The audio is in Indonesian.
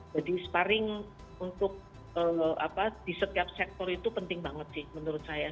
jadi sparing untuk di setiap sektor itu penting banget sih menurut saya